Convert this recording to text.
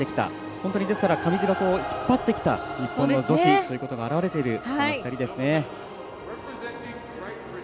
本当に上地が引っ張ってきた日本の女子ということが表れている、この２人ですね。